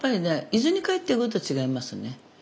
伊豆に帰ってくると違いますね。